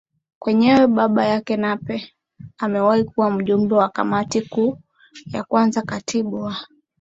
kwenyewe baba yake Nape amewahi kuwa mjumbe wa Kamati Kuu ya kwanza Katibu wa